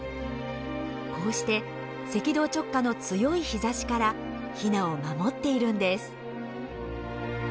こうして赤道直下の強い日ざしからヒナを守っているんです。